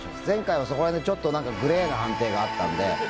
前回はそこらへんで、ちょっとなんかグレーな判定があったんで。